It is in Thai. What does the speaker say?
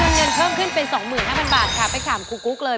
เงินเพิ่มขึ้นเป็น๒๕๐๐บาทค่ะไปถามครูกุ๊กเลย